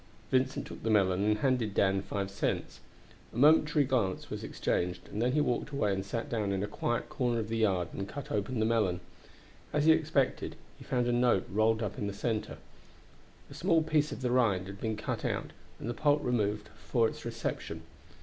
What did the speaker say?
Vincent took the melon and handed Dan five cents. A momentary glance was exchanged, and then he walked away and sat down in a quiet corner of the yard and cut open the melon. As he expected, he found a note rolled up in the center. A small piece of the rind had been cut out and the pulp removed for its reception.